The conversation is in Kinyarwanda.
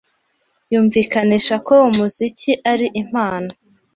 Yumvikanisha ko umuziki ari impano